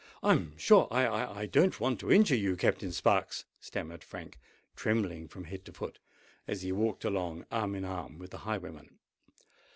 "I'm sure I—I don't want to injure you, Captain Sparks," stammered Frank, trembling from head to foot as he walked along, arm in arm with the highwayman.